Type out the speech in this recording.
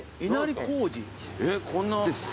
えっこんな。